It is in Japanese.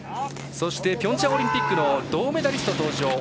そしてピョンチャンオリンピック銅メダリスト登場